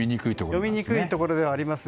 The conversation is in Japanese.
読みにくいところではあります。